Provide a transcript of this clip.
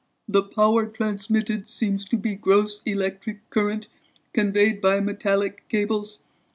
"The power transmitted seems to be gross electric current conveyed by metallic cables.